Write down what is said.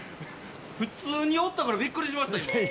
普通におったからびっくりしました今。